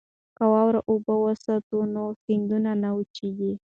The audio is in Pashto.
که واوره اوبه وساتو نو سیندونه نه وچیږي.